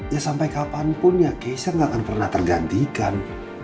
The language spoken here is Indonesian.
ya sampai kapanpun ya keisha nggak akan pernah tergantikan